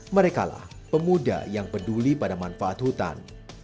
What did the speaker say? merekalah pemuda yang peduli pada manfaat hutan